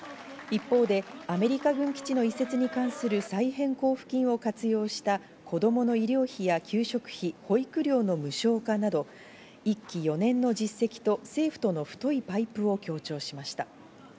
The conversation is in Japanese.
一方でアメリカ軍基地の移設に関する再編交付金を活用した子供の医療費や給食費、保育料の無償化など、１期４年の実績と政府との太いパイプを強調しました。